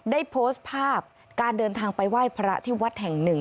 ได้โพสต์ภาพการเดินทางไปไหว้พระที่วัดแห่งหนึ่ง